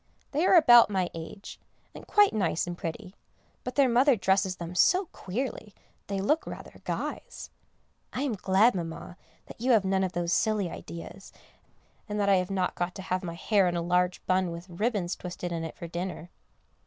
They are about my age, and quite nice and pretty; but their mother dresses them so queerly, they look rather guys. I am glad, Mamma, that you have none of those silly ideas, and that I have not got to have my hair in a large bun with ribbons twisted in it for dinner.